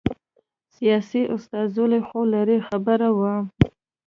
سیاسي استازولي خو لرې خبره وه